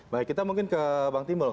baik kita mungkin ke bang timbul